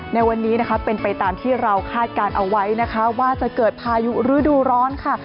ในวันนี้นะคะเป็นไปตามที่เราคาดการณ์เอาไว้นะคะว่าจะเกิดพายุฤดูร้อนค่ะ